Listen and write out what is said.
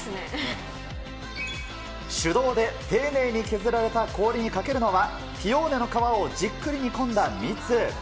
手動で丁寧に削られた氷にかけるのは、ピオーネの皮をじっくり煮込んだ蜜。